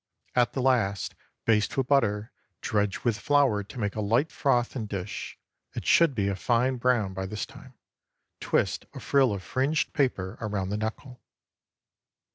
At the last, baste with butter, dredge with flour to make a light froth, and dish. It should be a fine brown by this time. Twist a frill of fringed paper around the knuckle.